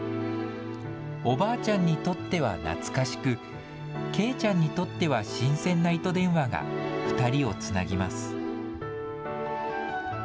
おばあちゃんにとっては懐かしく、ケイちゃんにとっては新鮮な糸電話が、２人をつなぎます。